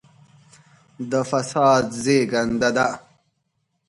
د فساد زېږنده ده.